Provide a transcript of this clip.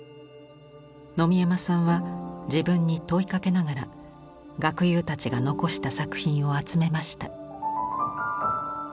野見山さんは自分に問いかけながら学友たちが残した作品を集めました。